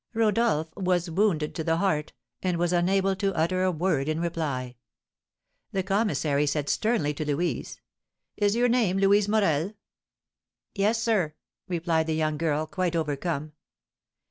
Rodolph was wounded to the heart, and was unable to utter a word in reply. The commissary said sternly to Louise: "Is your name Louise Morel?" "Yes, sir," replied the young girl, quite overcome.